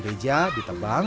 tidak ada batang